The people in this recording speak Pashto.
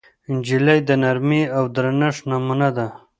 نجلۍ د نرمۍ او درنښت نمونه ده.